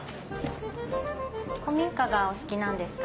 古民家がお好きなんですか？